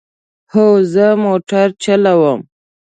هو، زه موټر چلوم